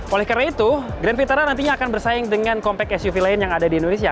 oleh karena itu grand vitara nantinya akan bersaing dengan compact suv lain yang ada di indonesia